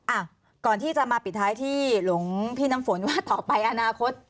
อ่ะก่อนที่จะมาปิดท้ายที่หลวงพี่น้ำฝนว่าต่อไปอนาคต